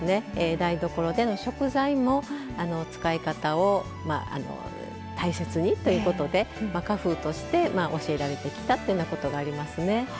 台所での食材も使い方を大切にということで家風として教えられてきたというようなことがありますね。